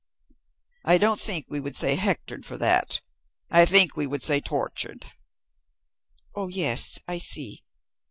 "I don't think we would say hectored, for that. I think we would say tortured." "Oh, yes. I see.